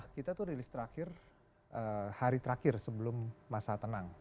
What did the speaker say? kita tuh rilis terakhir hari terakhir sebelum masa tenang